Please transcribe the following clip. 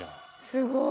すごい。